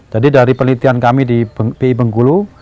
jadi dari penelitian kami di pi bengkulu